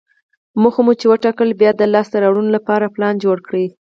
موخه مو چې وټاکله، بیا یې د لاسته راوړلو لپاره پلان جوړ کړئ.